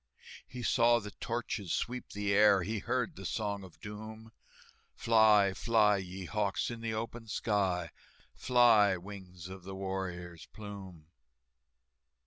He saw the torches sweep the air, He heard the Song of Doom, "Fly, fly, ye hawks, in the open sky, Fly, wings of the warrior's plume!"